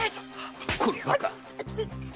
このバカっ！